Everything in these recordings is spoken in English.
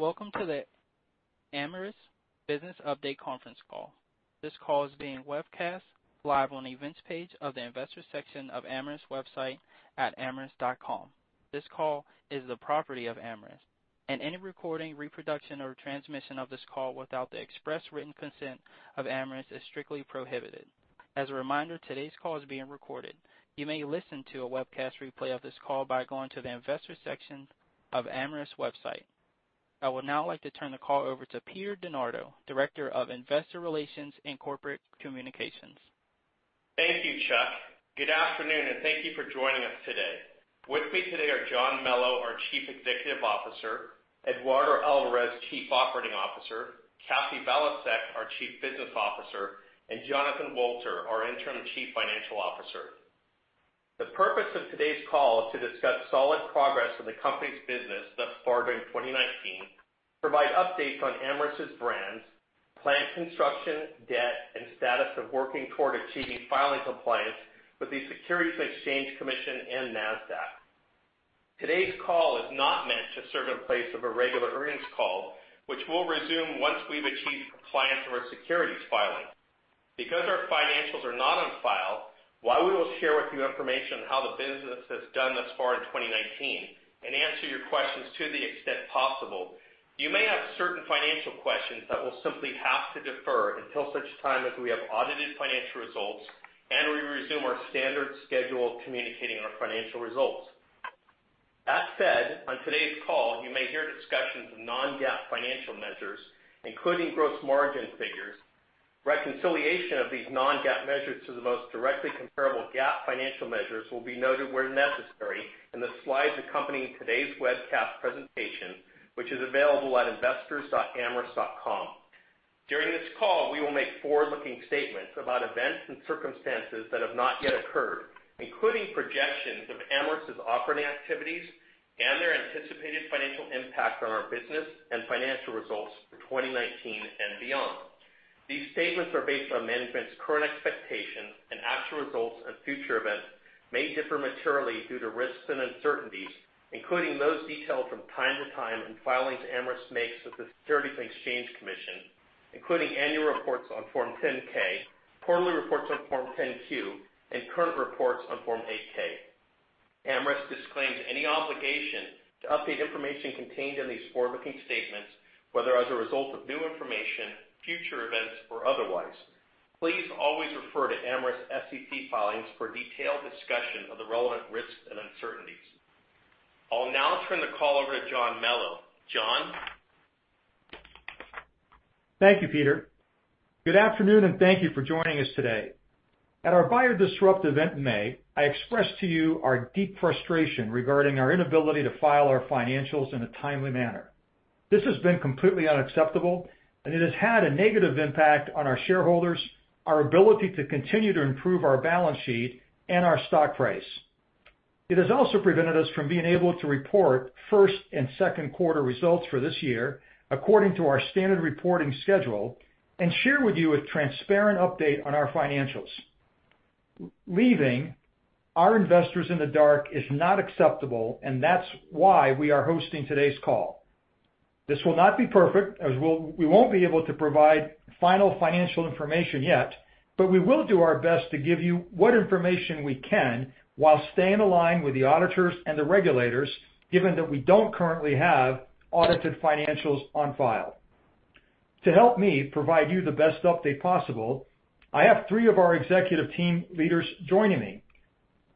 Welcome to the Amyris Business Update conference call. This call is being webcast live on the events page of the investor section of Amyris website at amyris.com. This call is the property of Amyris, and any recording, reproduction, or transmission of this call without the express written consent of Amyris is strictly prohibited. As a reminder, today's call is being recorded. You may listen to a webcast replay of this call by going to the investor section of Amyris website. I would now like to turn the call over to Peter DeNardo, Director of Investor Relations and Corporate Communications. Thank you, Chuck. Good afternoon, and thank you for joining us today. With me today are John Melo, our Chief Executive Officer, Eduardo Alvarez, Chief Operating Officer, Kathy Valiasek, our Chief Business Officer, and Jonathan Wolter, our Interim Chief Financial Officer. The purpose of today's call is to discuss solid progress in the company's business thus far during 2019, provide updates on Amyris' brands, plant construction, debt, and status of working toward achieving filing compliance with the Securities and Exchange Commission and NASDAQ. Today's call is not meant to serve in place of a regular earnings call, which we'll resume once we've achieved compliance of our securities filing. Because our financials are not on file, while we will share with you information on how the business has done thus far in 2019 and answer your questions to the extent possible, you may have certain financial questions that we'll simply have to defer until such time as we have audited financial results and we resume our standard schedule of communicating our financial results. That said, on today's call, you may hear discussions of non-GAAP financial measures, including gross margin figures. Reconciliation of these non-GAAP measures to the most directly comparable GAAP financial measures will be noted where necessary in the slides accompanying today's webcast presentation, which is available at investors.amyris.com. During this call, we will make forward-looking statements about events and circumstances that have not yet occurred, including projections of Amyris' operating activities and their anticipated financial impact on our business and financial results for 2019 and beyond. These statements are based on management's current expectations, and actual results and future events may differ materially due to risks and uncertainties, including those detailed from time to time in filings Amyris makes with the Securities and Exchange Commission, including annual reports on Form 10-K, quarterly reports on Form 10-Q, and current reports on Form 8-K. Amyris disclaims any obligation to update information contained in these forward-looking statements, whether as a result of new information, future events, or otherwise. Please always refer to Amyris' SEC filings for detailed discussion of the relevant risks and uncertainties. I'll now turn the call over to John Melo. John. Thank you, Peter. Good afternoon, and thank you for joining us today. At our BioDisrupt event in May, I expressed to you our deep frustration regarding our inability to file our financials in a timely manner. This has been completely unacceptable, and it has had a negative impact on our shareholders, our ability to continue to improve our balance sheet, and our stock price. It has also prevented us from being able to report first and second quarter results for this year according to our standard reporting schedule and share with you a transparent update on our financials. Leaving our investors in the dark is not acceptable, and that's why we are hosting today's call. This will not be perfect, as we won't be able to provide final financial information yet, but we will do our best to give you what information we can while staying aligned with the auditors and the regulators, given that we don't currently have audited financials on file. To help me provide you the best update possible, I have three of our executive team leaders joining me.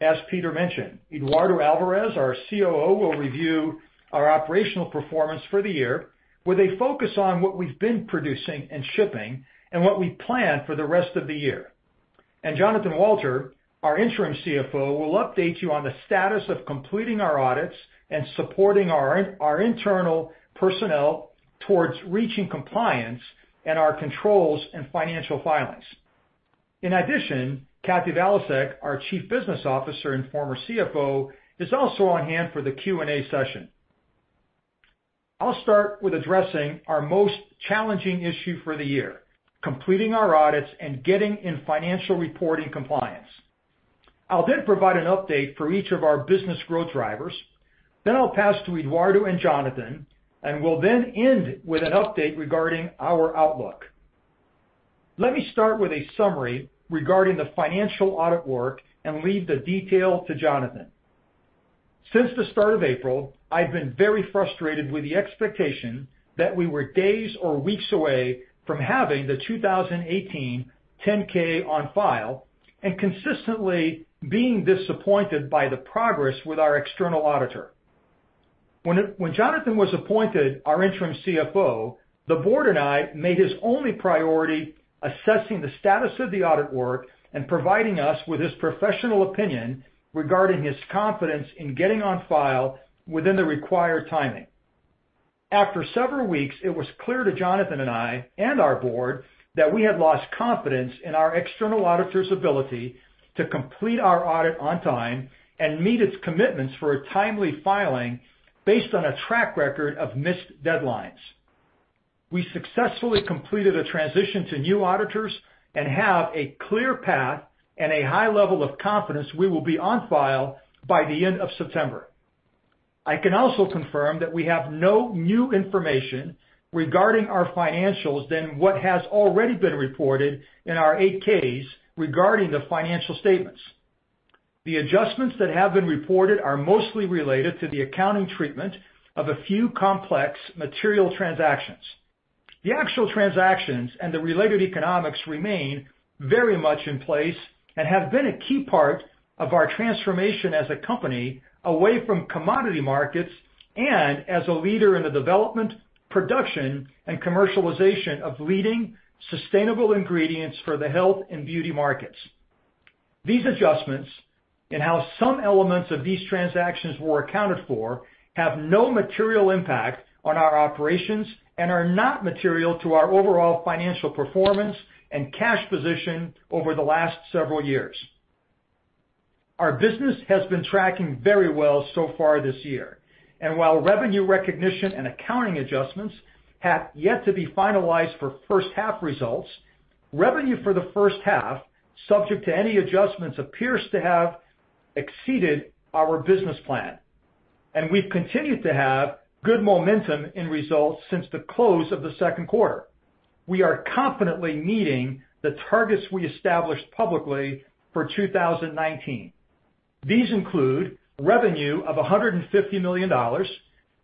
As Peter mentioned, Eduardo Alvarez, our COO, will review our operational performance for the year, with a focus on what we've been producing and shipping and what we plan for the rest of the year, and Jonathan Wolter, our Interim CFO, will update you on the status of completing our audits and supporting our internal personnel towards reaching compliance and our controls and financial filings. In addition, Kathy Valiasek, our Chief Business Officer and former CFO, is also on hand for the Q&A session. I'll start with addressing our most challenging issue for the year: completing our audits and getting in financial reporting compliance. I'll then provide an update for each of our business growth drivers. Then I'll pass to Eduardo and Jonathan, and we'll then end with an update regarding our outlook. Let me start with a summary regarding the financial audit work and leave the detail to Jonathan. Since the start of April, I've been very frustrated with the expectation that we were days or weeks away from having the 2018 10-K on file and consistently being disappointed by the progress with our external auditor. When Jonathan was appointed our Interim CFO, the board and I made his only priority assessing the status of the audit work and providing us with his professional opinion regarding his confidence in getting on file within the required timing. After several weeks, it was clear to Jonathan and I and our board that we had lost confidence in our external auditor's ability to complete our audit on time and meet its commitments for a timely filing based on a track record of missed deadlines. We successfully completed a transition to new auditors and have a clear path and a high level of confidence we will be on file by the end of September. I can also confirm that we have no new information regarding our financials than what has already been reported in our 8-Ks regarding the financial statements. The adjustments that have been reported are mostly related to the accounting treatment of a few complex material transactions. The actual transactions and the related economics remain very much in place and have been a key part of our transformation as a company away from commodity markets and as a leader in the development, production, and commercialization of leading sustainable ingredients for the health and beauty markets. These adjustments and how some elements of these transactions were accounted for have no material impact on our operations and are not material to our overall financial performance and cash position over the last several years. Our business has been tracking very well so far this year, and while revenue recognition and accounting adjustments have yet to be finalized for first-half results, revenue for the first half, subject to any adjustments, appears to have exceeded our business plan. We've continued to have good momentum in results since the close of the second quarter. We are confidently meeting the targets we established publicly for 2019. These include revenue of $150 million,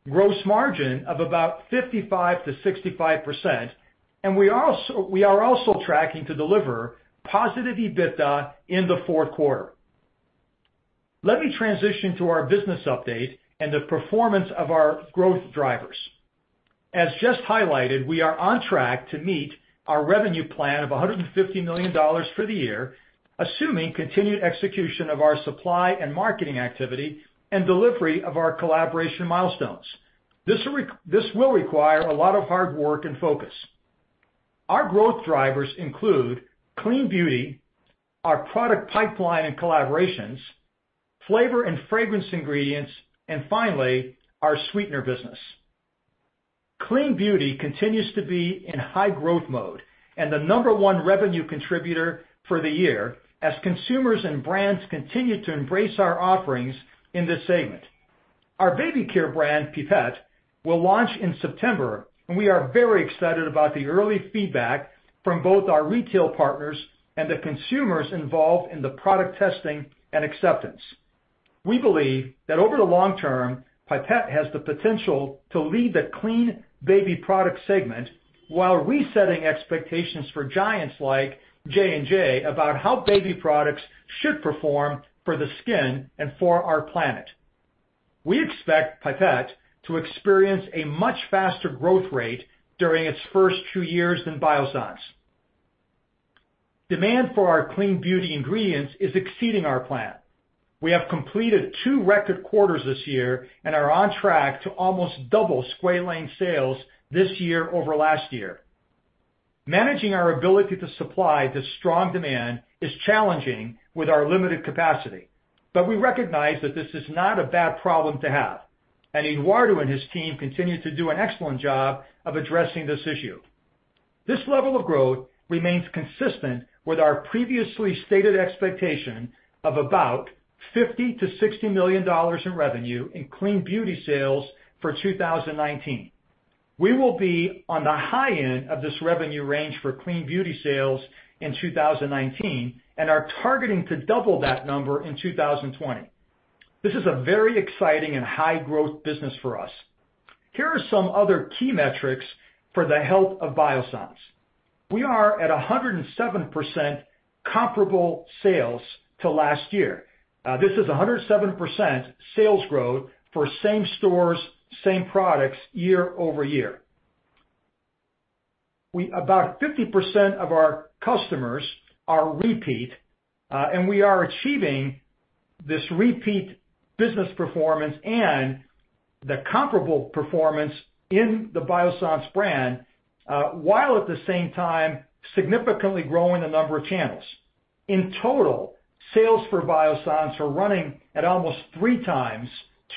gross margin of about 55%-65%, and we are also tracking to deliver positive EBITDA in the fourth quarter. Let me transition to our business update and the performance of our growth drivers. As just highlighted, we are on track to meet our revenue plan of $150 million for the year, assuming continued execution of our supply and marketing activity and delivery of our collaboration milestones. This will require a lot of hard work and focus. Our growth drivers include clean beauty, our product pipeline and collaborations, flavor and fragrance ingredients, and finally, our sweetener business. Clean beauty continues to be in high growth mode and the number one revenue contributor for the year, as consumers and brands continue to embrace our offerings in this segment. Our baby care brand, Pipette, will launch in September, and we are very excited about the early feedback from both our retail partners and the consumers involved in the product testing and acceptance. We believe that over the long term, Pipette has the potential to lead the clean baby product segment while resetting expectations for giants like J&J about how baby products should perform for the skin and for our planet. We expect Pipette to experience a much faster growth rate during its first two years than Biossance. Demand for our clean beauty ingredients is exceeding our plan. We have completed two record quarters this year and are on track to almost double squalane sales this year over last year. Managing our ability to supply this strong demand is challenging with our limited capacity, but we recognize that this is not a bad problem to have, and Eduardo and his team continue to do an excellent job of addressing this issue. This level of growth remains consistent with our previously stated expectation of about $50-$60 million in revenue in clean beauty sales for 2019. We will be on the high end of this revenue range for clean beauty sales in 2019 and are targeting to double that number in 2020. This is a very exciting and high-growth business for us. Here are some other key metrics for the health of Biossance. We are at 107% comparable sales to last year. This is 107% sales growth for same stores, same products year over year. About 50% of our customers are repeat, and we are achieving this repeat business performance and the comparable performance in the Biossance brand while at the same time significantly growing the number of channels. In total, sales for Biossance are running at almost three times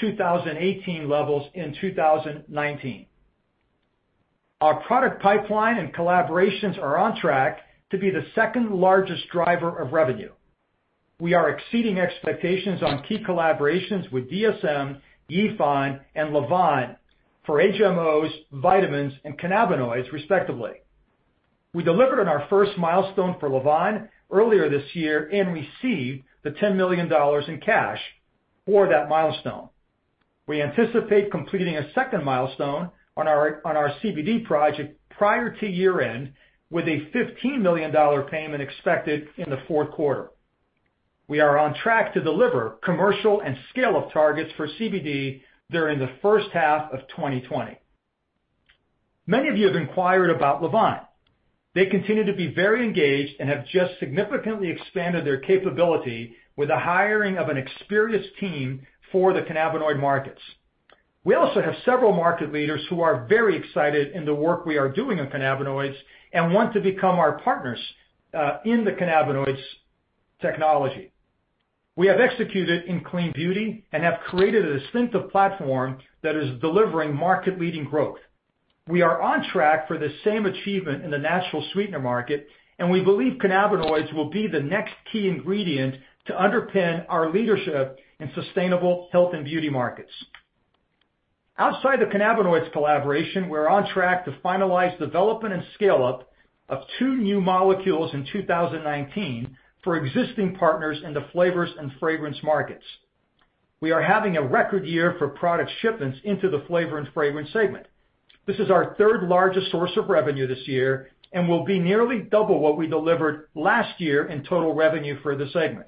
2018 levels in 2019. Our product pipeline and collaborations are on track to be the second largest driver of revenue. We are exceeding expectations on key collaborations with DSM, Yifan, and Lavvan for HMOs, vitamins, and cannabinoids, respectively. We delivered on our first milestone for Lavvan earlier this year and received the $10 million in cash for that milestone. We anticipate completing a second milestone on our CBD project prior to year-end, with a $15 million payment expected in the fourth quarter. We are on track to deliver commercial and scale-up targets for CBD during the first half of 2020. Many of you have inquired about Lavvan. They continue to be very engaged and have just significantly expanded their capability with the hiring of an experienced team for the cannabinoid markets. We also have several market leaders who are very excited in the work we are doing on cannabinoids and want to become our partners in the cannabinoids technology. We have executed in clean beauty and have created a distinctive platform that is delivering market-leading growth. We are on track for the same achievement in the natural sweetener market, and we believe cannabinoids will be the next key ingredient to underpin our leadership in sustainable health and beauty markets. Outside the cannabinoids collaboration, we're on track to finalize development and scale-up of two new molecules in 2019 for existing partners in the flavors and fragrance markets. We are having a record year for product shipments into the flavor and fragrance segment. This is our third-largest source of revenue this year and will be nearly double what we delivered last year in total revenue for the segment.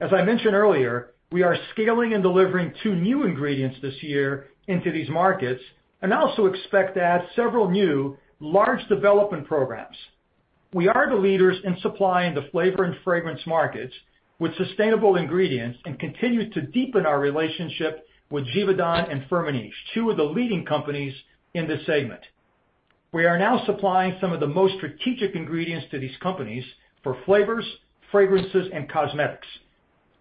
As I mentioned earlier, we are scaling and delivering two new ingredients this year into these markets and also expect to add several new large development programs. We are the leaders in supply in the flavor and fragrance markets with sustainable ingredients and continue to deepen our relationship with Givaudan and Firmenich, two of the leading companies in this segment. We are now supplying some of the most strategic ingredients to these companies for flavors, fragrances, and cosmetics.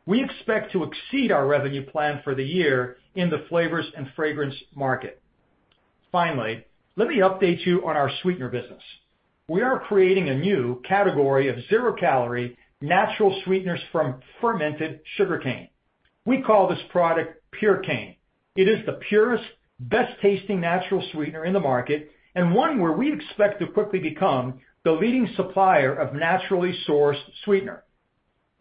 We expect to exceed our revenue plan for the year in the flavors and fragrance market. Finally, let me update you on our sweetener business. We are creating a new category of zero-calorie natural sweeteners from fermented sugarcane. We call this product Purecane. It is the purest, best-tasting natural sweetener in the market and one where we expect to quickly become the leading supplier of naturally sourced sweetener.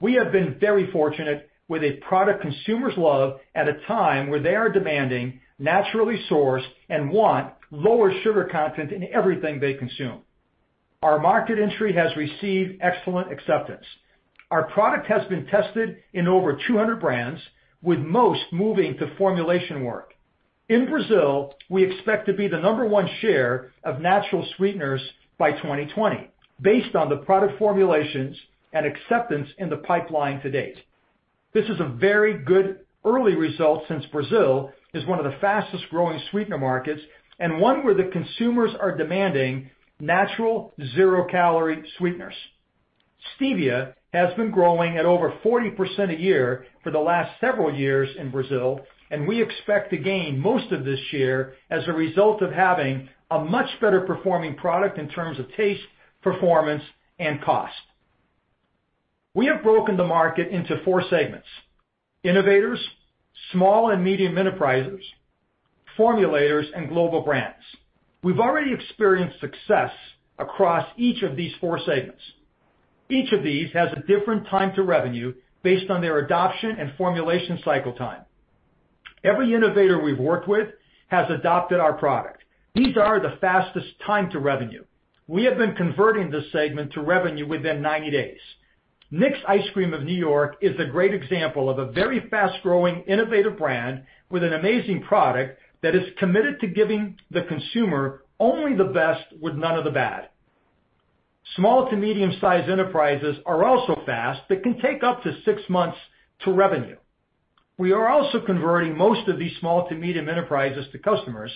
We have been very fortunate with a product consumers love at a time where they are demanding naturally sourced and want lower sugar content in everything they consume. Our market entry has received excellent acceptance. Our product has been tested in over 200 brands, with most moving to formulation work. In Brazil, we expect to be the number one share of natural sweeteners by 2020, based on the product formulations and acceptance in the pipeline to date. This is a very good early result since Brazil is one of the fastest-growing sweetener markets and one where the consumers are demanding natural zero-calorie sweeteners. Stevia has been growing at over 40% a year for the last several years in Brazil, and we expect to gain most of this year as a result of having a much better-performing product in terms of taste, performance, and cost. We have broken the market into four segments: innovators, small and medium enterprises, formulators, and global brands. We've already experienced success across each of these four segments. Each of these has a different time to revenue based on their adoption and formulation cycle time. Every innovator we've worked with has adopted our product. These are the fastest time to revenue. We have been converting this segment to revenue within 90 days. Nick's Ice Cream of New York is a great example of a very fast-growing innovative brand with an amazing product that is committed to giving the consumer only the best with none of the bad. Small to medium-sized enterprises are also fast but can take up to six months to revenue. We are also converting most of these small to medium enterprises to customers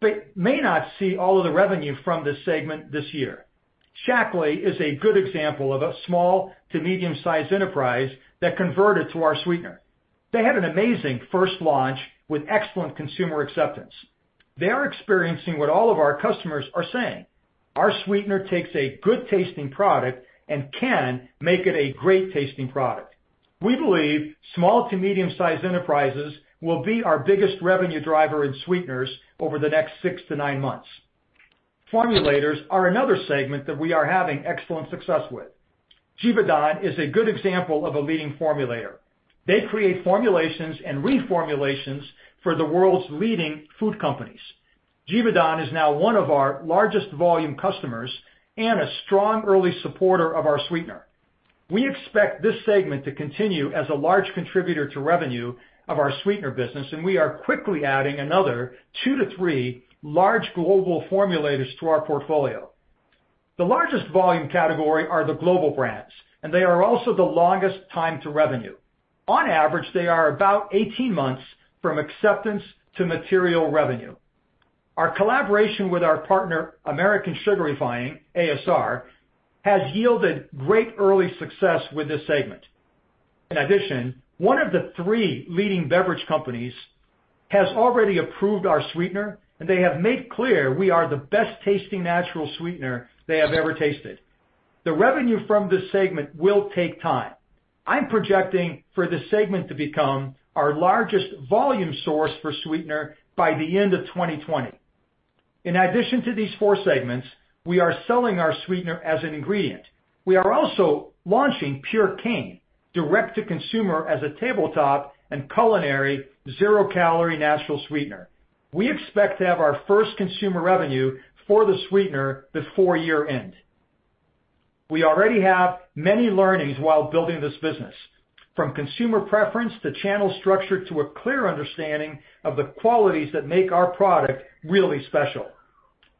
but may not see all of the revenue from this segment this year. Shaklee is a good example of a small to medium-sized enterprise that converted to our sweetener. They had an amazing first launch with excellent consumer acceptance. They are experiencing what all of our customers are saying. Our sweetener takes a good-tasting product and can make it a great-tasting product. We believe small to medium-sized enterprises will be our biggest revenue driver in sweeteners over the next six to nine months. Formulators are another segment that we are having excellent success with. Givaudan is a good example of a leading formulator. They create formulations and reformulations for the world's leading food companies. Givaudan is now one of our largest volume customers and a strong early supporter of our sweetener. We expect this segment to continue as a large contributor to revenue of our sweetener business, and we are quickly adding another two to three large global formulators to our portfolio. The largest volume category are the global brands, and they are also the longest time to revenue. On average, they are about 18 months from acceptance to material revenue. Our collaboration with our partner, American Sugar Refining, ASR, has yielded great early success with this segment. In addition, one of the three leading beverage companies has already approved our sweetener, and they have made clear we are the best-tasting natural sweetener they have ever tasted. The revenue from this segment will take time. I'm projecting for this segment to become our largest volume source for sweetener by the end of 2020. In addition to these four segments, we are selling our sweetener as an ingredient. We are also launching Purecane direct-to-consumer as a tabletop and culinary zero-calorie natural sweetener. We expect to have our first consumer revenue for the sweetener before year-end. We already have many learnings while building this business, from consumer preference to channel structure to a clear understanding of the qualities that make our product really special.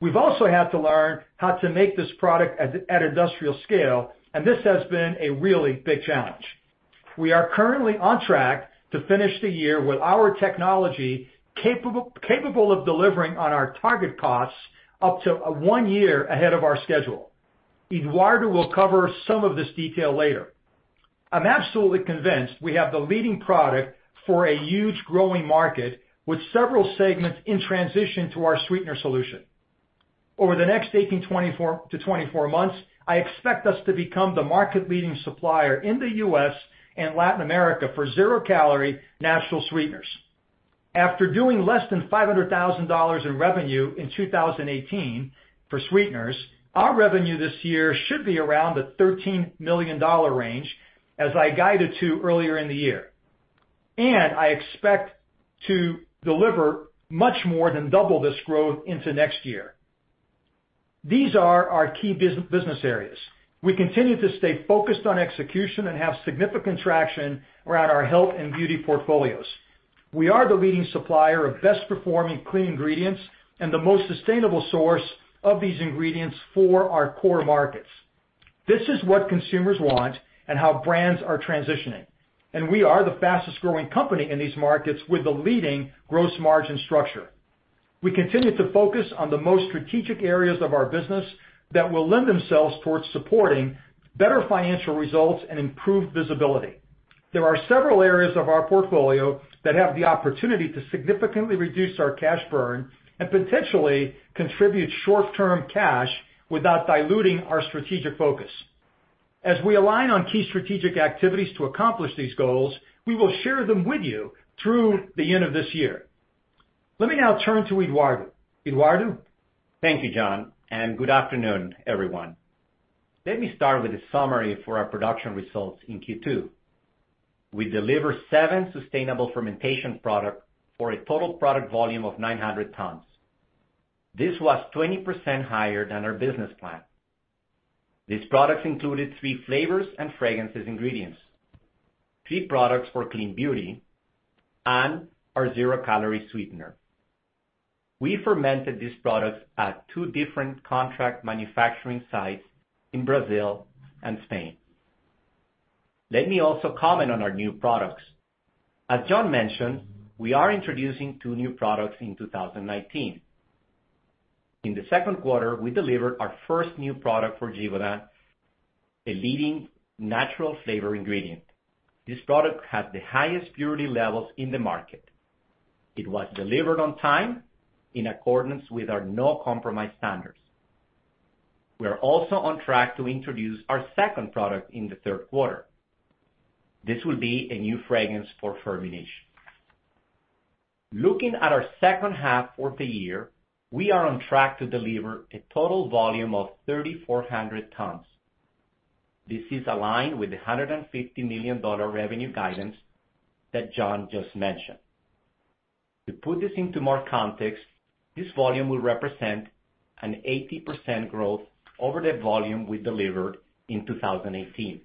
We've also had to learn how to make this product at industrial scale, and this has been a really big challenge. We are currently on track to finish the year with our technology capable of delivering on our target costs up to one year ahead of our schedule. Eduardo will cover some of this detail later. I'm absolutely convinced we have the leading product for a huge growing market with several segments in transition to our sweetener solution. Over the next 18-24 months, I expect us to become the market-leading supplier in the U.S. and Latin America for zero-calorie natural sweeteners. After doing less than $500,000 in revenue in 2018 for sweeteners, our revenue this year should be around the $13 million range, as I guided to earlier in the year, and I expect to deliver much more than double this growth into next year. These are our key business areas. We continue to stay focused on execution and have significant traction around our health and beauty portfolios. We are the leading supplier of best-performing clean ingredients and the most sustainable source of these ingredients for our core markets. This is what consumers want and how brands are transitioning, and we are the fastest-growing company in these markets with the leading gross margin structure. We continue to focus on the most strategic areas of our business that will lend themselves towards supporting better financial results and improved visibility. There are several areas of our portfolio that have the opportunity to significantly reduce our cash burn and potentially contribute short-term cash without diluting our strategic focus. As we align on key strategic activities to accomplish these goals, we will share them with you through the end of this year. Let me now turn to Eduardo. Eduardo? Thank you, John, and good afternoon, everyone. Let me start with a summary for our production results in Q2. We delivered seven sustainable fermentation products for a total product volume of 900 tons. This was 20% higher than our business plan. These products included three flavors and fragrances ingredients, three products for clean beauty, and our zero-calorie sweetener. We fermented these products at two different contract manufacturing sites in Brazil and Spain. Let me also comment on our new products. As John mentioned, we are introducing two new products in 2019. In the second quarter, we delivered our first new product for Givaudan, a leading natural flavor ingredient. This product has the highest purity levels in the market. It was delivered on time in accordance with our no-compromise standards. We are also on track to introduce our second product in the third quarter. This will be a new fragrance for Firmenich. Looking at our second half of the year, we are on track to deliver a total volume of 3,400 tons. This is aligned with the $150 million revenue guidance that John just mentioned. To put this into more context, this volume will represent an 80% growth over the volume we delivered in 2018.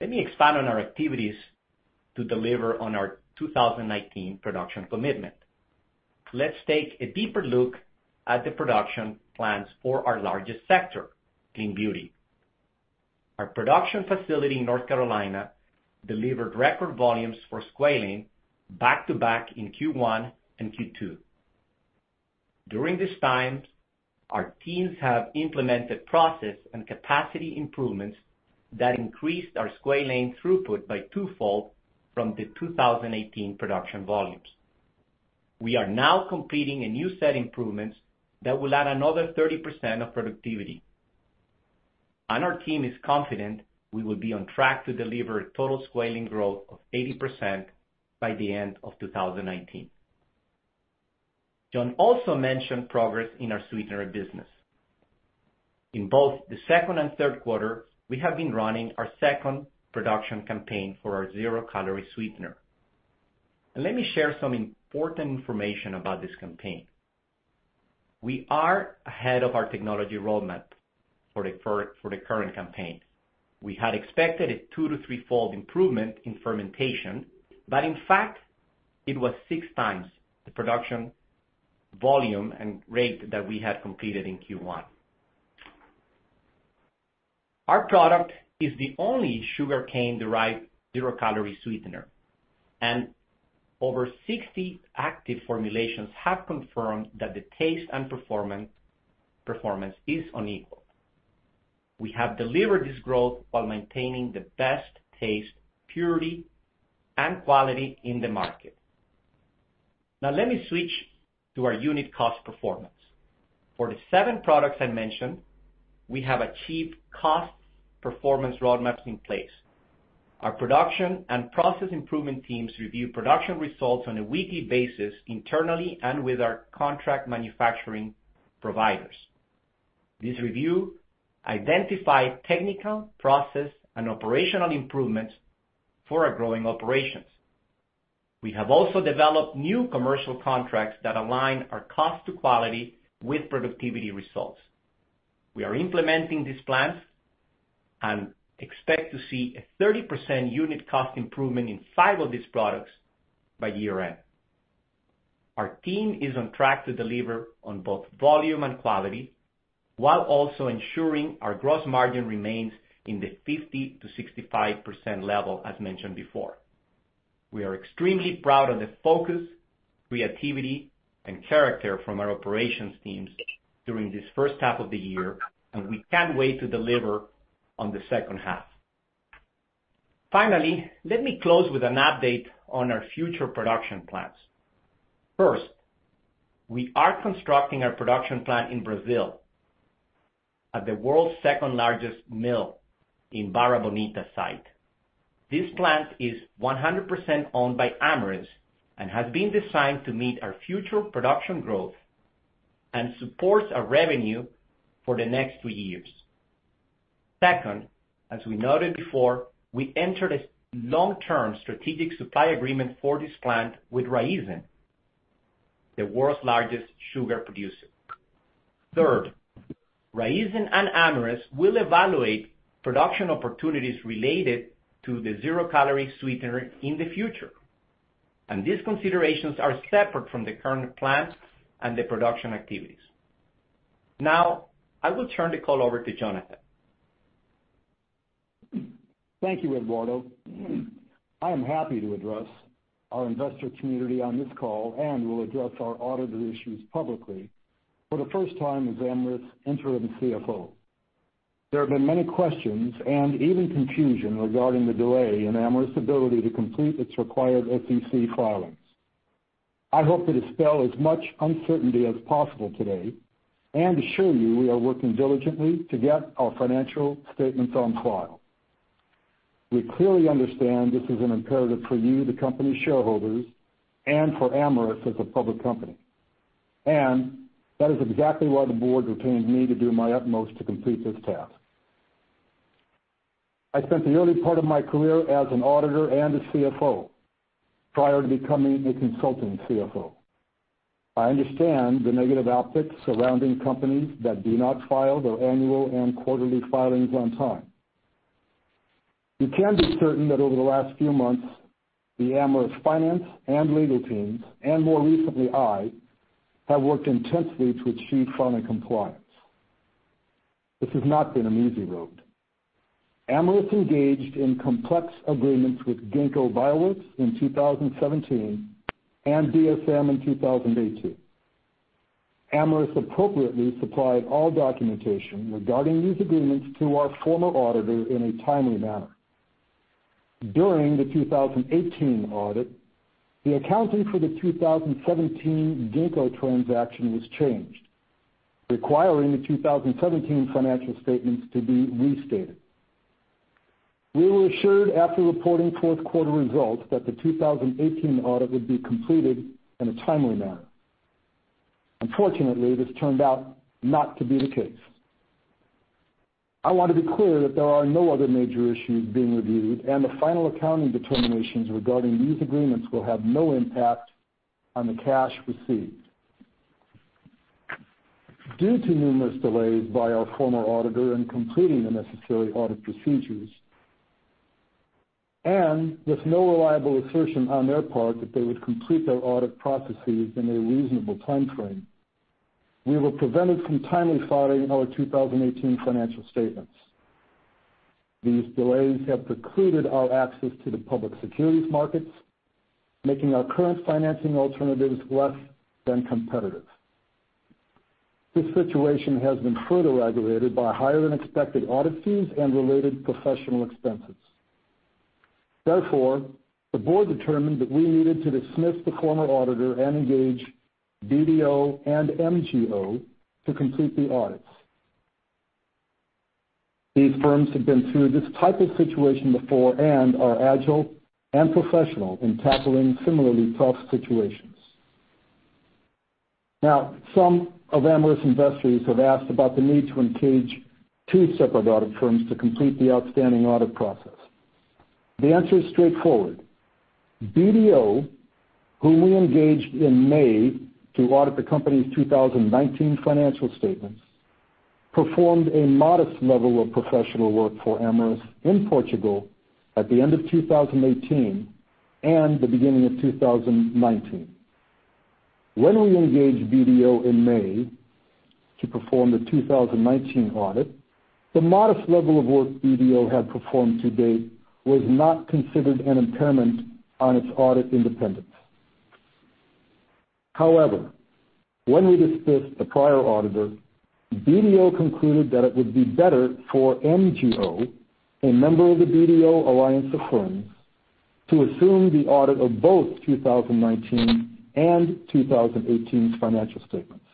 Let me expand on our activities to deliver on our 2019 production commitment. Let's take a deeper look at the production plans for our largest sector, clean beauty. Our production facility in North Carolina delivered record volumes for squalane back-to-back in Q1 and Q2. During this time, our teams have implemented process and capacity improvements that increased our squalane throughput by twofold from the 2018 production volumes. We are now completing a new set of improvements that will add another 30% of productivity. Our team is confident we will be on track to deliver a total squalane growth of 80% by the end of 2019. John also mentioned progress in our sweetener business. In both the second and third quarter, we have been running our second production campaign for our zero-calorie sweetener. Let me share some important information about this campaign. We are ahead of our technology roadmap for the current campaign. We had expected a two to threefold improvement in fermentation, but in fact, it was six times the production volume and rate that we had completed in Q1. Our product is the only sugarcane-derived zero-calorie sweetener, and over 60 active formulations have confirmed that the taste and performance is unequal. We have delivered this growth while maintaining the best taste, purity, and quality in the market. Now, let me switch to our unit cost performance. For the seven products I mentioned, we have achieved cost performance roadmaps in place. Our production and process improvement teams review production results on a weekly basis internally and with our contract manufacturing providers. This review identified technical, process, and operational improvements for our growing operations. We have also developed new commercial contracts that align our cost to quality with productivity results. We are implementing these plans and expect to see a 30% unit cost improvement in five of these products by year-end. Our team is on track to deliver on both volume and quality while also ensuring our gross margin remains in the 50%-65% level as mentioned before. We are extremely proud of the focus, creativity, and character from our operations teams during this first half of the year, and we can't wait to deliver on the second half. Finally, let me close with an update on our future production plans. First, we are constructing our production plant in Brazil at the world's second-largest mill in Barra Bonita site. This plant is 100% owned by Amyris and has been designed to meet our future production growth and supports our revenue for the next three years. Second, as we noted before, we entered a long-term strategic supply agreement for this plant with Raízen, the world's largest sugar producer. Third, Raízen and Amyris will evaluate production opportunities related to the zero-calorie sweetener in the future, and these considerations are separate from the current plant and the production activities. Now, I will turn the call over to Jonathan. Thank you, Eduardo. I am happy to address our investor community on this call and will address our auditor issues publicly. For the first time as Amyris' Interim CFO, there have been many questions and even confusion regarding the delay in Amyris' ability to complete its required SEC filings. I hope to dispel as much uncertainty as possible today and assure you we are working diligently to get our financial statements on file. We clearly understand this is an imperative for you, the company's shareholders, and for Amyris as a public company, and that is exactly why the board retained me to do my utmost to complete this task. I spent the early part of my career as an auditor and a CFO prior to becoming a consulting CFO. I understand the negative outlook surrounding companies that do not file their annual and quarterly filings on time. You can be certain that over the last few months, the Amyris finance and legal teams, and more recently I, have worked intensely to achieve filing compliance. This has not been an easy road. Amyris engaged in complex agreements with Ginkgo Bioworks in 2017 and DSM in 2018. Amyris appropriately supplied all documentation regarding these agreements to our former auditor in a timely manner. During the 2018 audit, the accounting for the 2017 Ginkgo transaction was changed, requiring the 2017 financial statements to be restated. We were assured after reporting fourth quarter results that the 2018 audit would be completed in a timely manner. Unfortunately, this turned out not to be the case. I want to be clear that there are no other major issues being reviewed, and the final accounting determinations regarding these agreements will have no impact on the cash received. Due to numerous delays by our former auditor in completing the necessary audit procedures and with no reliable assertion on their part that they would complete their audit processes in a reasonable timeframe, we were prevented from timely filing our 2018 financial statements. These delays have precluded our access to the public securities markets, making our current financing alternatives less than competitive. This situation has been further aggravated by higher-than-expected audit fees and related professional expenses. Therefore, the board determined that we needed to dismiss the former auditor and engage BDO and MGO to complete the audits. These firms have been through this type of situation before and are agile and professional in tackling similarly tough situations. Now, some of Amyris' investors have asked about the need to engage two separate audit firms to complete the outstanding audit process. The answer is straightforward. BDO, whom we engaged in May to audit the company's 2019 financial statements, performed a modest level of professional work for Amyris in Portugal at the end of 2018 and the beginning of 2019. When we engaged BDO in May to perform the 2019 audit, the modest level of work BDO had performed to date was not considered an impairment on its audit independence. However, when we dismissed the prior auditor, BDO concluded that it would be better for MGO, a member of the BDO Alliance of Firms, to assume the audit of both 2019 and 2018 financial statements.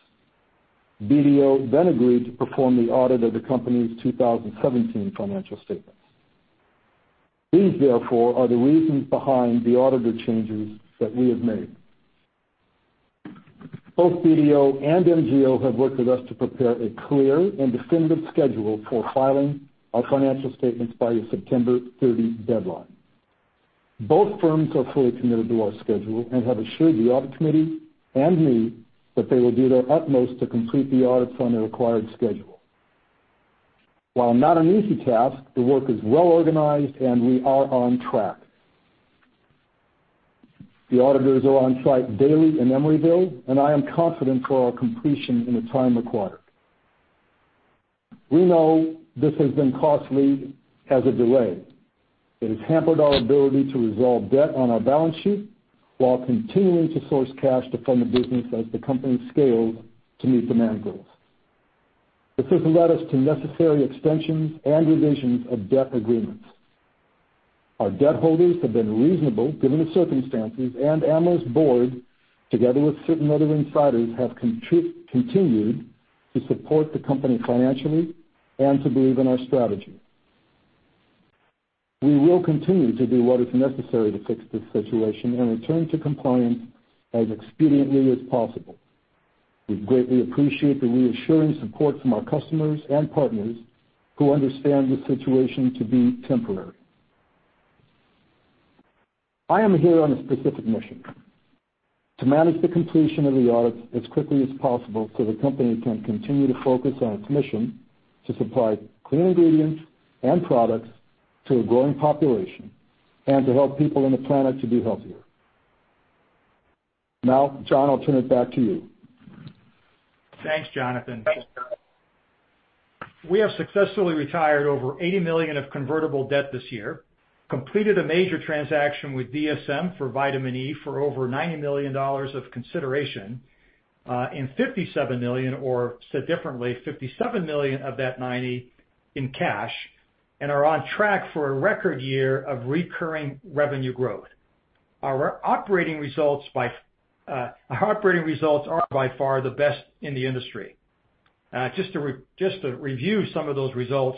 BDO then agreed to perform the audit of the company's 2017 financial statements. These, therefore, are the reasons behind the auditor changes that we have made. Both BDO and MGO have worked with us to prepare a clear and definitive schedule for filing our financial statements by the September 30 deadline. Both firms are fully committed to our schedule and have assured the audit committee and me that they will do their utmost to complete the audits on the required schedule. While not an easy task, the work is well organized and we are on track. The auditors are on site daily in Emeryville, and I am confident for our completion in the time required. We know this has been costly as a delay. It has hampered our ability to resolve debt on our balance sheet while continuing to source cash to fund the business as the company scales to meet demand growth. This has led us to necessary extensions and revisions of debt agreements. Our debt holders have been reasonable given the circumstances, and Amyris' board, together with certain other insiders, have continued to support the company financially and to believe in our strategy. We will continue to do what is necessary to fix this situation and return to compliance as expediently as possible. We greatly appreciate the reassuring support from our customers and partners who understand the situation to be temporary. I am here on a specific mission: to manage the completion of the audits as quickly as possible so the company can continue to focus on its mission to supply clean ingredients and products to a growing population and to help people on the planet to be healthier. Now, John, I'll turn it back to you. Thanks, Jonathan. Thanks, John. We have successfully retired over $80 million of convertible debt this year, completed a major transaction with DSM for vitamin E for over $90 million of consideration in $57 million, or said differently, $57 million of that $90 million in cash, and are on track for a record year of recurring revenue growth. Our operating results are by far the best in the industry. Just to review some of those results: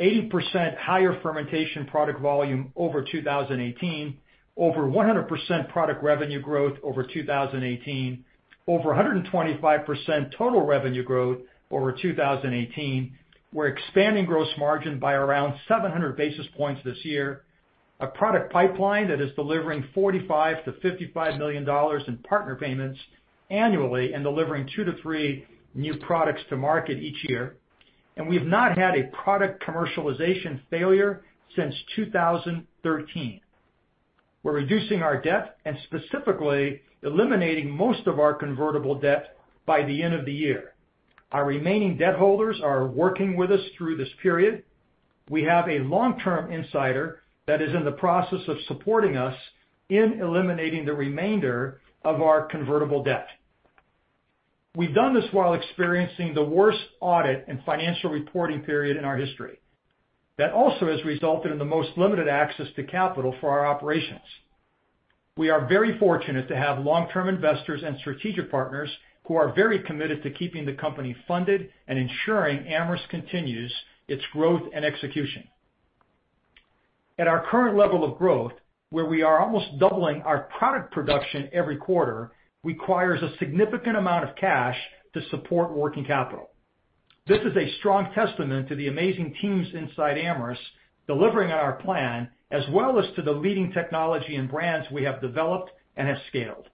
80% higher fermentation product volume over 2018, over 100% product revenue growth over 2018, over 125% total revenue growth over 2018. We're expanding gross margin by around 700 basis points this year, a product pipeline that is delivering $45-$55 million in partner payments annually and delivering two to three new products to market each year, and we have not had a product commercialization failure since 2013. We're reducing our debt and specifically eliminating most of our convertible debt by the end of the year. Our remaining debt holders are working with us through this period. We have a long-term insider that is in the process of supporting us in eliminating the remainder of our convertible debt. We've done this while experiencing the worst audit and financial reporting period in our history. That also has resulted in the most limited access to capital for our operations. We are very fortunate to have long-term investors and strategic partners who are very committed to keeping the company funded and ensuring Amyris continues its growth and execution. At our current level of growth, where we are almost doubling our product production every quarter, requires a significant amount of cash to support working capital. This is a strong testament to the amazing teams inside Amyris delivering on our plan, as well as to the leading technology and brands we have developed and have scaled.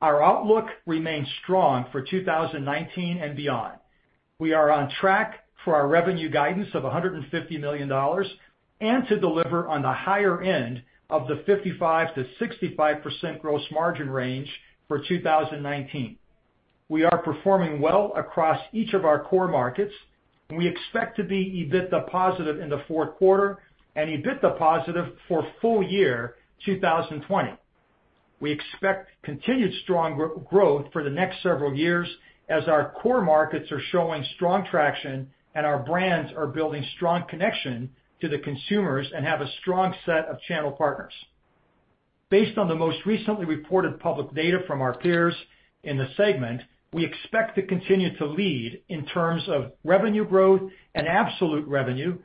Our outlook remains strong for 2019 and beyond. We are on track for our revenue guidance of $150 million and to deliver on the higher end of the 55%-65% gross margin range for 2019. We are performing well across each of our core markets, and we expect to be EBITDA positive in the fourth quarter and EBITDA positive for full year 2020. We expect continued strong growth for the next several years as our core markets are showing strong traction and our brands are building strong connection to the consumers and have a strong set of channel partners. Based on the most recently reported public data from our peers in the segment, we expect to continue to lead in terms of revenue growth and absolute revenue,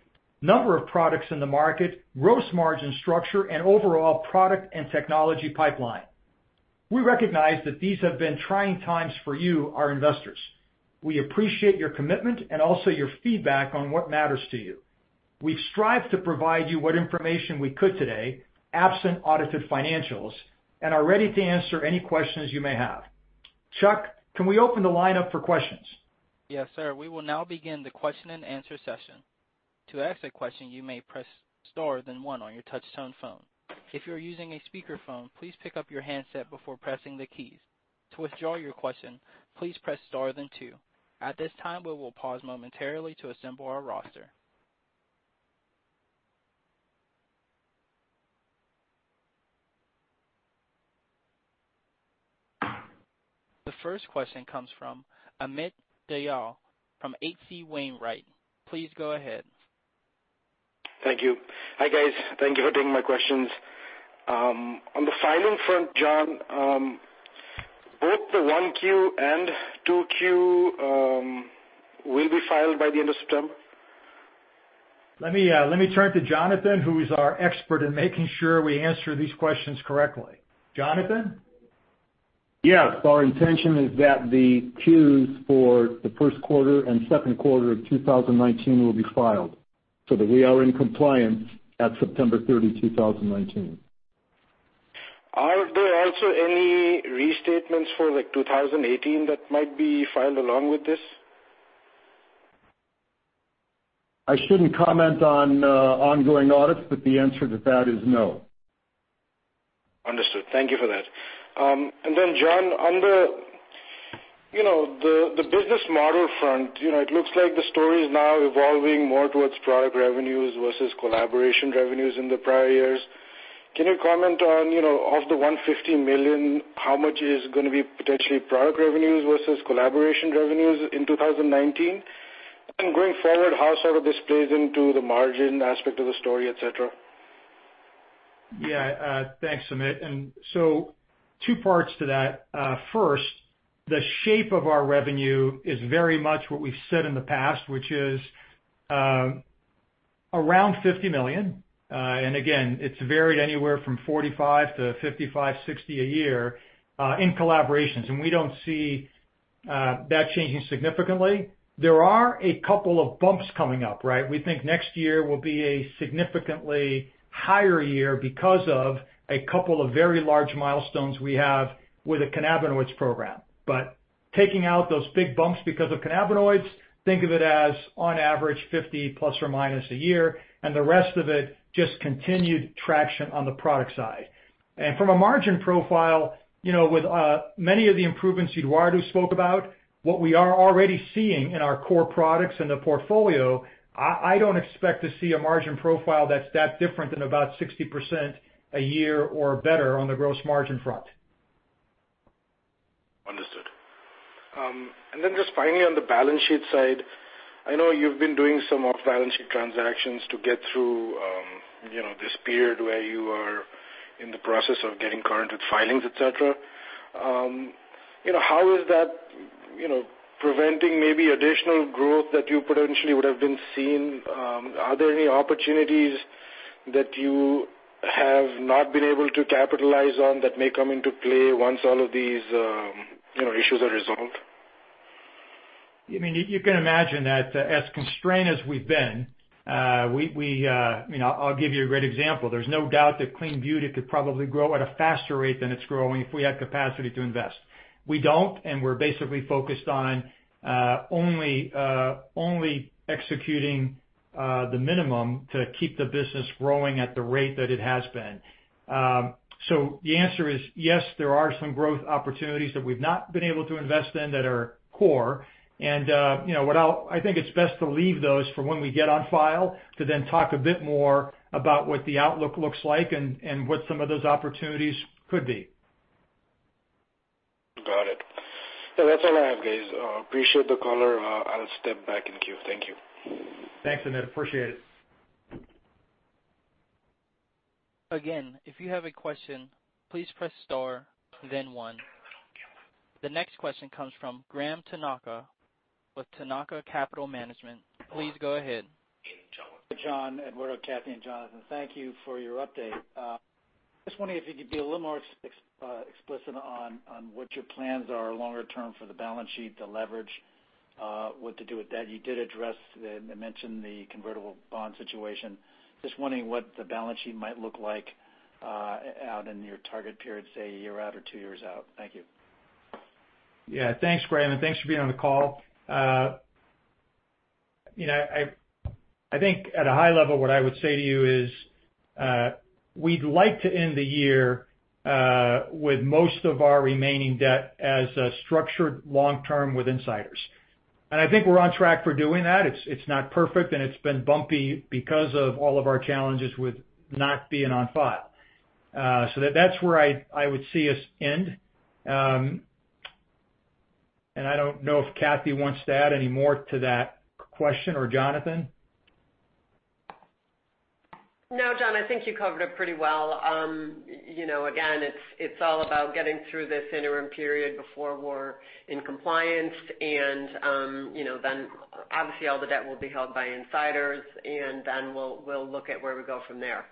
number of products in the market, gross margin structure, and overall product and technology pipeline. We recognize that these have been trying times for you, our investors. We appreciate your commitment and also your feedback on what matters to you. We've strived to provide you what information we could today, absent audited financials, and are ready to answer any questions you may have. Chuck, can we open the line up for questions? Yes, sir. We will now begin the question-and-answer session. To ask a question, you may press star then one on your touch-tone phone. If you're using a speakerphone, please pick up your handset before pressing the keys. To withdraw your question, please press star then two. At this time, we will pause momentarily to assemble our roster. The first question comes from Amit Dayal from H.C. Wainwright. Please go ahead. Thank you. Hi guys. Thank you for taking my questions. On the filing front, John, both the 1Q and 2Q will be filed by the end of September? Let me turn to Jonathan, who is our expert in making sure we answer these questions correctly. Jonathan? Yes. Our intention is that the Qs for the first quarter and second quarter of 2019 will be filed so that we are in compliance at September 30, 2019. Are there also any restatements for 2018 that might be filed along with this? I shouldn't comment on ongoing audits, but the answer to that is no. Understood. Thank you for that. And then, John, on the business model front, it looks like the story is now evolving more towards product revenues versus collaboration revenues in the prior years. Can you comment on, of the $150 million, how much is going to be potentially product revenues versus collaboration revenues in 2019? And going forward, how sort of this plays into the margin aspect of the story, etc.? Yeah. Thanks, Amit. And so two parts to that. First, the shape of our revenue is very much what we've said in the past, which is around $50 million, and again, it's varied anywhere from $45-$55, $60 a year in collaborations. We don't see that changing significantly. There are a couple of bumps coming up, right? We think next year will be a significantly higher year because of a couple of very large milestones we have with the cannabinoids program, but taking out those big bumps because of cannabinoids, think of it as, on average, 50 plus or minus a year, and the rest of it just continued traction on the product side. And from a margin profile, with many of the improvements Eduardo spoke about, what we are already seeing in our core products and the portfolio, I don't expect to see a margin profile that's that different than about 60% a year or better on the gross margin front. Understood. And then just finally, on the balance sheet side, I know you've been doing some off-balance sheet transactions to get through this period where you are in the process of getting current with filings, etc. How is that preventing maybe additional growth that you potentially would have been seeing? Are there any opportunities that you have not been able to capitalize on that may come into play once all of these issues are resolved? You can imagine that as constrained as we've been, I'll give you a great example. There's no doubt that clean beauty could probably grow at a faster rate than it's growing if we had capacity to invest. We don't, and we're basically focused on only executing the minimum to keep the business growing at the rate that it has been. So the answer is yes, there are some growth opportunities that we've not been able to invest in that are core. And I think it's best to leave those for when we get on file to then talk a bit more about what the outlook looks like and what some of those opportunities could be. Got it. So that's all I have, guys. Appreciate the caller. I'll step back in queue. Thank you. Thanks, Amit. Appreciate it. Again, if you have a question, please press star, then one. The next question comes from Graham Tanaka with Tanaka Capital Management. Please go ahead. Hi, John. Eduardo, Kathy, and Jonathan. Thank you for your update. Just wondering if you could be a little more explicit on what your plans are longer term for the balance sheet, the leverage, what to do with debt. You did address and mention the convertible bond situation. Just wondering what the balance sheet might look like out in your target period, say a year out or two years out. Thank you. Yeah. Thanks, Graham, and thanks for being on the call. I think at a high level, what I would say to you is we'd like to end the year with most of our remaining debt as structured long-term with insiders. And I think we're on track for doing that. It's not perfect, and it's been bumpy because of all of our challenges with not being on file. So that's where I would see us end. I don't know if Kathy wants to add any more to that question or Jonathan. No, John, I think you covered it pretty well. Again, it's all about getting through this interim period before we're in compliance. And then obviously all the debt will be held by insiders, and then we'll look at where we go from there.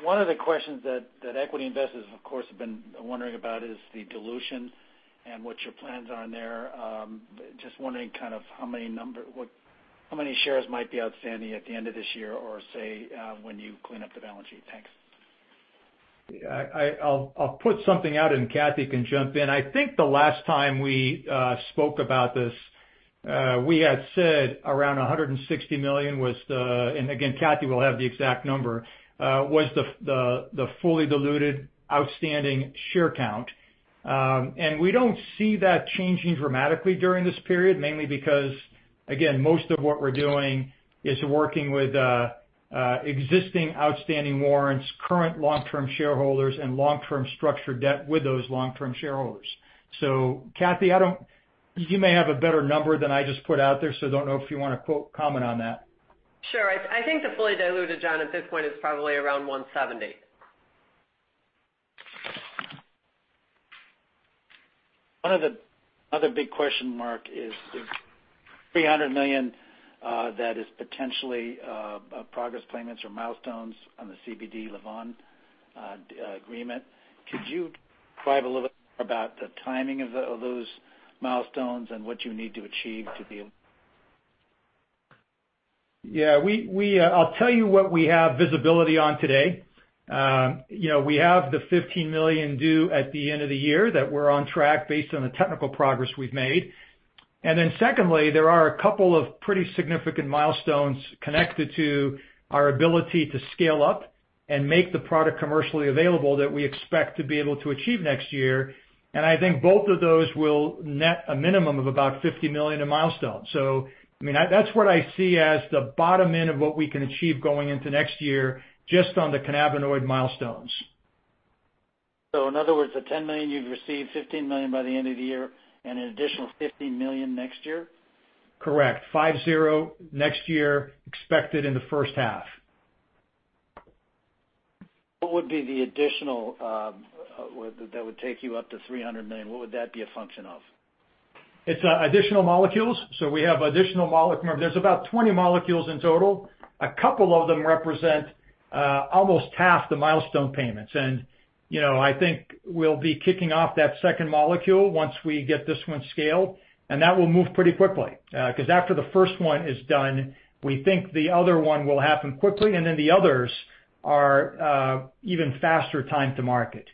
One of the questions that equity investors, of course, have been wondering about is the dilution and what your plans are in there. Just wondering kind of how many shares might be outstanding at the end of this year or say when you clean up the balance sheet. Thanks. I'll put something out, and Kathy can jump in. I think the last time we spoke about this, we had said around $160 million was the, and again, Kathy will have the exact number, was the fully diluted outstanding share count. And we don't see that changing dramatically during this period, mainly because, again, most of what we're doing is working with existing outstanding warrants, current long-term shareholders, and long-term structured debt with those long-term shareholders. So Kathy, you may have a better number than I just put out there, so I don't know if you want to comment on that. Sure. I think the fully diluted, John, at this point is probably around $170. One of the big question marks is $300 million that is potentially progress payments or milestones on the CBD Lavvan agreement. Could you describe a little bit more about the timing of those milestones and what you need to achieve to be able to? Yeah. I'll tell you what we have visibility on today. We have the $15 million due at the end of the year that we're on track based on the technical progress we've made. And then secondly, there are a couple of pretty significant milestones connected to our ability to scale up and make the product commercially available that we expect to be able to achieve next year. And I think both of those will net a minimum of about $50 million in milestones. So that's what I see as the bottom end of what we can achieve going into next year just on the cannabinoid milestones. So in other words, the $10 million you've received, $15 million by the end of the year, and an additional $15 million next year? Correct. $50 million next year expected in the first half. What would be the additional that would take you up to $300 million? What would that be a function of? It's additional molecules. So we have additional molecules. There's about 20 molecules in total. A couple of them represent almost half the milestone payments. And I think we'll be kicking off that second molecule once we get this one scaled. And that will move pretty quickly. Because after the first one is done, we think the other one will happen quickly, and then the others are even faster time to market.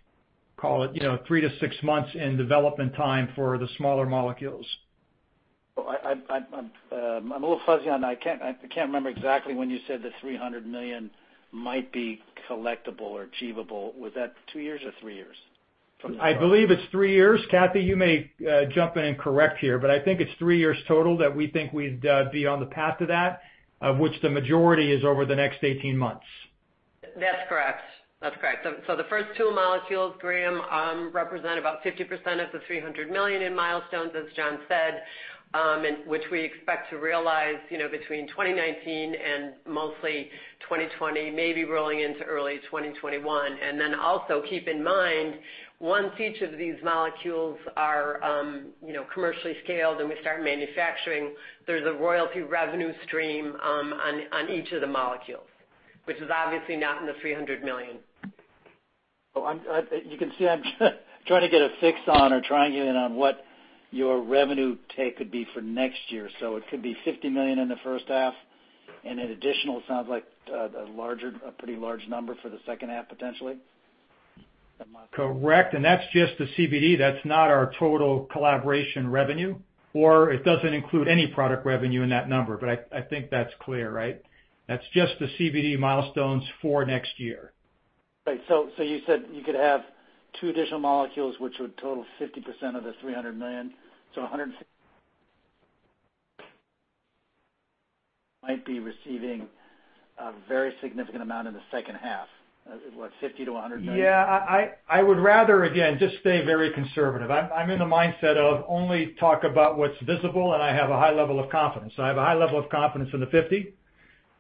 Call it three to six months in development time for the smaller molecules. I'm a little fuzzy on that. I can't remember exactly when you said the $300 million might be collectible or achievable. Was that two years or three years? I believe it's three years. Kathy, you may jump in and correct here, but I think it's three years total that we think we'd be on the path to that, of which the majority is over the next 18 months. That's correct. That's correct. So the first two molecules, Graham, represent about 50% of the $300 million in milestones, as John said, which we expect to realize between 2019 and mostly 2020, maybe rolling into early 2021. And then also keep in mind, once each of these molecules are commercially scaled and we start manufacturing, there's a royalty revenue stream on each of the molecules, which is obviously not in the $300 million. You can see I'm trying to get a fix on or trying you in on what your revenue take could be for next year. So it could be $50 million in the first half and an additional, it sounds like, a pretty large number for the second half potentially? Correct. And that's just the CBD. That's not our total collaboration revenue, or it doesn't include any product revenue in that number. But I think that's clear, right? That's just the CBD milestones for next year. Right. So you said you could have two additional molecules, which would total 50% of the $300 million. So $150 million might be receiving a very significant amount in the second half. What, $50-$100 million? Yeah. I would rather, again, just stay very conservative. I'm in the mindset of only talk about what's visible, and I have a high level of confidence. I have a high level of confidence in the $50.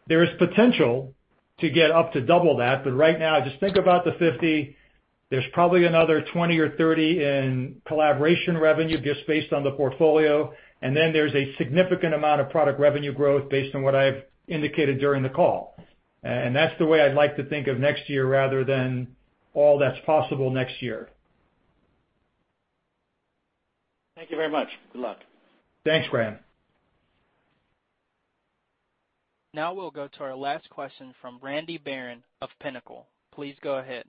There is potential to get up to double that, but right now, just think about the $50. There's probably another $20 or $30 in collaboration revenue just based on the portfolio. And then there's a significant amount of product revenue growth based on what I've indicated during the call. And that's the way I'd like to think of next year rather than all that's possible next year. Thank you very much. Good luck. Thanks, Graham. Now we'll go to our last question from Randy Baron of Pinnacle. Please go ahead.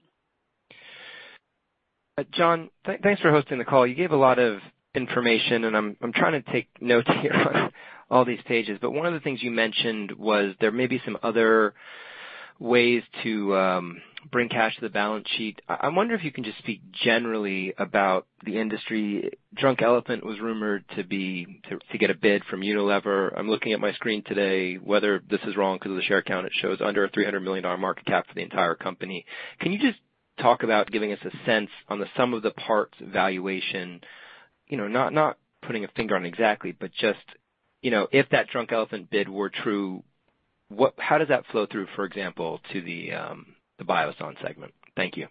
John, thanks for hosting the call. You gave a lot of information, and I'm trying to take notes here on all these pages. But one of the things you mentioned was there may be some other ways to bring cash to the balance sheet. I wonder if you can just speak generally about the industry. Drunk Elephant was rumored to get a bid from Unilever. I'm looking at my screen today. Whether this is wrong because of the share count, it shows under a $300 million market cap for the entire company. Can you just talk about giving us a sense on the sum of the parts valuation? Not putting a finger on exactly, but just if that Drunk Elephant bid were true, how does that flow through, for example, to the Biossance segment? Thank you.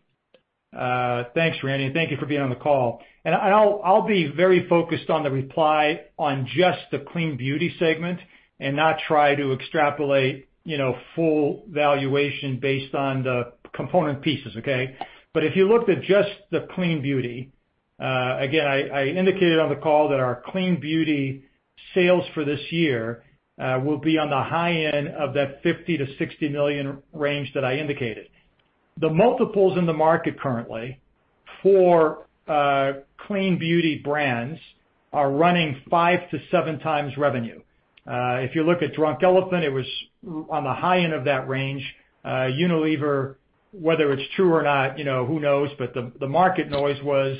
Thanks, Randy. Thank you for being on the call, and I'll be very focused on the reply on just the clean beauty segment and not try to extrapolate full valuation based on the component pieces, okay? But if you looked at just the clean beauty, again, I indicated on the call that our clean beauty sales for this year will be on the high end of that $50-$60 million range that I indicated. The multiples in the market currently for clean beauty brands are running five to seven times revenue. If you look at Drunk Elephant, it was on the high end of that range. Unilever, whether it's true or not, who knows, but the market noise was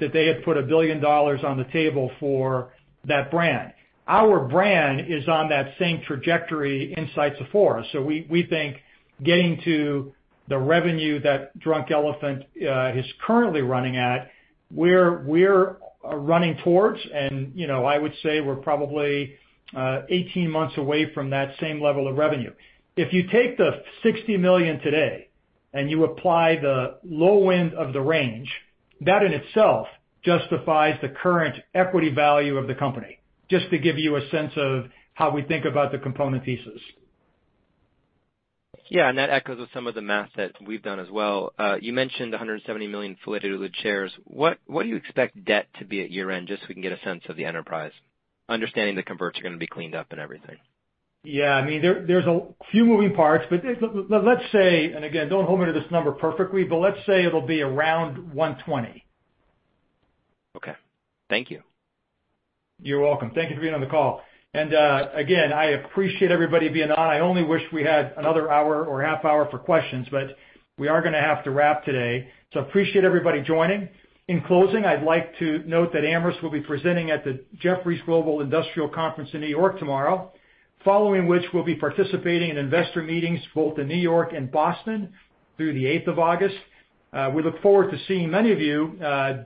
that they had put $1 billion on the table for that brand. Our brand is on that same trajectory inside Sephora's. So we think getting to the revenue that Drunk Elephant is currently running at, we're running towards, and I would say we're probably 18 months away from that same level of revenue. If you take the $60 million today and you apply the low end of the range, that in itself justifies the current equity value of the company, just to give you a sense of how we think about the component pieces. Yeah. That echoes with some of the math that we've done as well. You mentioned 170 million fully diluted shares. What do you expect debt to be at year-end just so we can get a sense of the enterprise? Understanding the converts are going to be cleaned up and everything. Yeah. I mean, there's a few moving parts, but let's say, and again, don't hold me to this number perfectly, but let's say it'll be around $120 million. Okay. Thank you. You're welcome. Thank you for being on the call. I appreciate everybody being on. I only wish we had another hour or half hour for questions, but we are going to have to wrap today. So I appreciate everybody joining. In closing, I'd like to note that Amyris will be presenting at the Jefferies Global Industrials Conference in New York tomorrow, following which we'll be participating in investor meetings both in New York and Boston through the 8th of August. We look forward to seeing many of you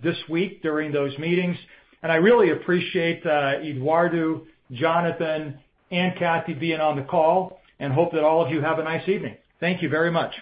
this week during those meetings. And I really appreciate Eduardo, Jonathan, and Kathy being on the call and hope that all of you have a nice evening. Thank you very much.